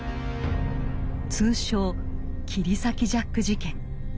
通称切り裂きジャック事件。